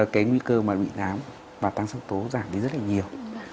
cái nguy cơ mà bị nám và tăng sắc tố giảm đi rất là nhiều